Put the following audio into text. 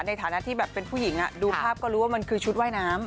ในฐานะที่แบบเป็นผู้หญิงดูภาพก็รู้ว่ามันคือชุดว่ายน้ำ